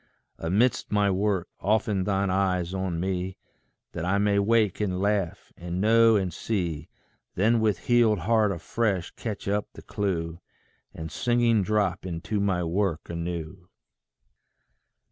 Amidst my work, open thine eyes on me, That I may wake and laugh, and know and see Then with healed heart afresh catch up the clue, And singing drop into my work anew.